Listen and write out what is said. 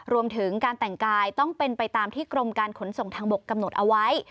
รวมถึงการแต่งกายต้องเป็นไปตามที่กรมการขนส่งทางบกกำหนดเอาไว้